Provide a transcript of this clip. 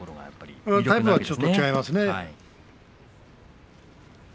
タイプはちょっと違いますね。